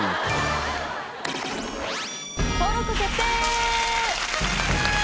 登録決定！